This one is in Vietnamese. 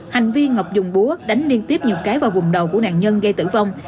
hành vi ngọc dùng búa đánh liên tiếp nhiều cái vào vùng đầu của nạn nhân gây tử vong